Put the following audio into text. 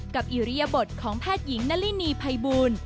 กับอิริยบทของแพทย์หญิงนัตลินีไพบูล